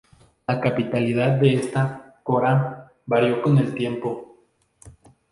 La capitalidad de esta "cora" varió con el tiempo.